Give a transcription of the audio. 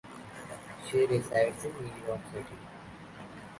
She resides in New York City.